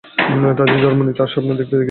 তাদের জন্ম নিতে আর স্বপ্ন দেখতে দেখেছি।